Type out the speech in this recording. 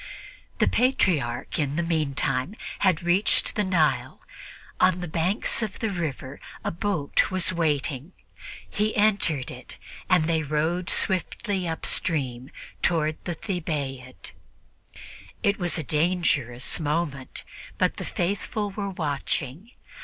The Patriarch, in the meantime, had reached the Nile; on the banks of the river a boat was waiting; he entered it, and they rowed swiftly upstream toward the Thebaid. It was a dangerous moment, but the faithful were watching.